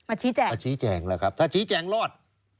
อาชี้แจ่งอาชี้แจ่งละครับถ้าอาชี้แจ่งรอด